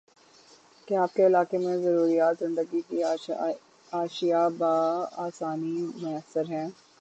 کیا آپ کے علاقے میں ضروریاتِ زندگی کی اشیاء باآسانی میسر ہیں؟